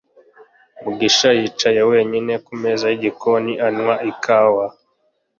mugisha yicaye wenyine kumeza yigikoni, anywa ikawa